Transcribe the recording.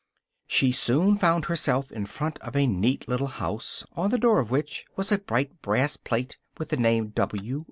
She soon found herself in front of a neat little house, on the door of which was a bright brass plate with the name W.